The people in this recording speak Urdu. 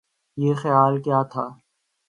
یہ خیال کیا جاتا